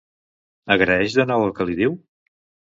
Agraeix de nou el que li diu?